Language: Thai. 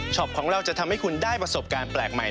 ของเราจะทำให้คุณได้ประสบการณ์แปลกใหม่